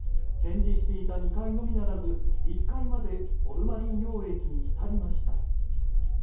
展示していた２階のみならず１階までホルマリン溶液に浸りました。